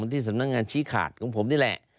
ที่สำนักงานชี้ขาดของผมนี่แหละ